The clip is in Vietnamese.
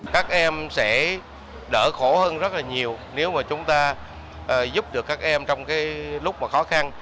các em sẽ đỡ khổ hơn rất là nhiều nếu mà chúng ta giúp được các em trong cái lúc mà khó khăn